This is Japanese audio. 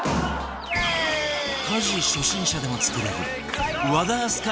家事初心者でも作れる和田明日香